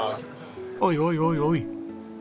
おいおいおいおい！